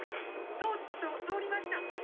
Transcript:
通った通りました！